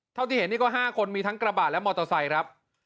เท่าที่เห็นนี่ก็๕คนมีทั้งกระบาดและมอเตอร์ไซค์ครับ